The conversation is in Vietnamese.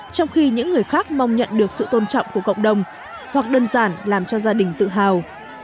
trong khi những người khác mong nhận được sự tôn trọng của cộng đồng hoặc đơn giản làm cho gia đình tự hào